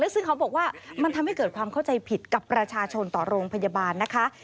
ซึ่งเขาบอกว่ามันทำให้เกิดความเข้าใจผิดกับประชาชนต่อโรงพยาบาลนะคะ